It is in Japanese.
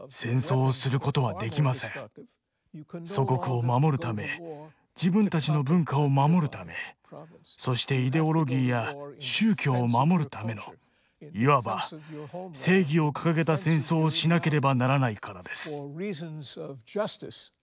祖国を守るため自分たちの文化を守るためそしてイデオロギーや宗教を守るためのいわば「正義」を掲げた戦争をしなければならないからです。